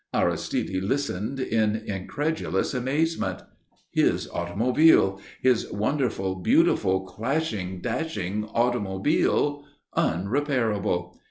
Aristide listened in incredulous amazement. His automobile, his wonderful, beautiful, clashing, dashing automobile unrepairable!